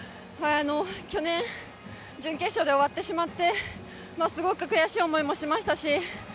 去年準決勝で終わってしまってすごく悔しい思いもしましたし。